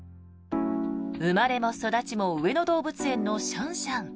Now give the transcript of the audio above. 生まれも育ちも上野動物園のシャンシャン。